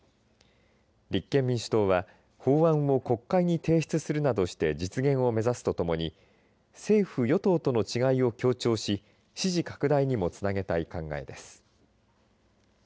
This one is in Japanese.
立憲民主党は法案を国会に提出するなどして実現を目指すとともに政府・与党との違いを強調し支持拡大にもつなげたい考えです。